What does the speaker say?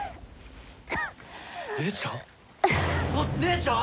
姉ちゃん？